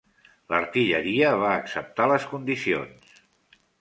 L'artilleria va acceptar les condicions.